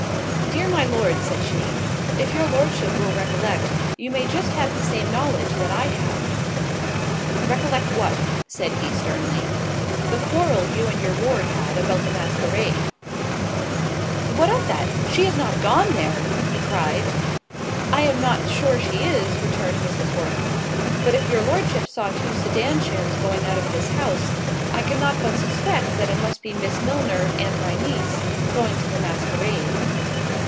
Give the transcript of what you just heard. "Dear my Lord," said she, "if your Lordship will recollect, you may just have the same knowledge that I have." "Recollect what?" said he sternly. "The quarrel you and your ward had about the masquerade." "What of that? she is not gone there?" he cried. "I am not sure she is," returned Mrs. Horton; "but if your Lordship saw two sedan chairs going out of this house, I cannot but suspect it must be Miss Milner and my niece going to the masquerade."